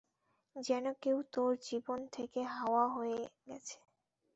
যেন কেউ তোর জীবন থেকে হাওয়া হয়ে গেছে।